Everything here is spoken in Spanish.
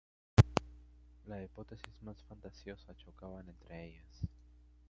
Las hipótesis más fantasiosas chocaban entre ellas.